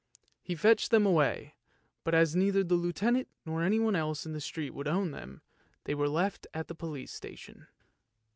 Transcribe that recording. He fetched them away, but as neither the Lieutenant nor anyone else in the street would own them, they were left at the police station.